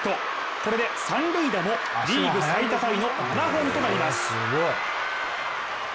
これで三塁打もリーグ最多タイの７本となります。